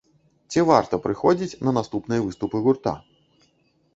Ці варта прыходзіць на наступныя выступы гурта?